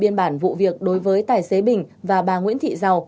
biên bản vụ việc đối với tài xế bình và bà nguyễn thị giàu